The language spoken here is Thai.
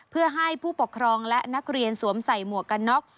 เพื่อให้ผู้ปกครองและนักเรียนสวมใส่หมวกกันน็อก